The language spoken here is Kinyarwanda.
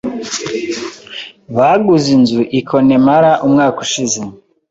Baguze inzu i Connemara umwaka ushize.